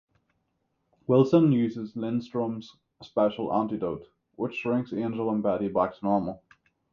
Wilson uses Lindstrom's special antidote, which shrinks Angel and Betty back to normal.